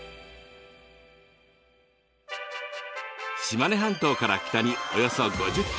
島根半島から北におよそ５０ｋｍ。